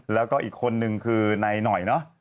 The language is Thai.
แล้วก็อีกคนนึงคือในหน่อย